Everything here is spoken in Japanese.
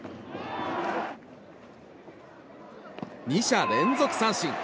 ２者連続三振。